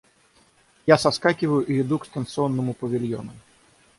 Я соскакиваю и иду к станционному павильону.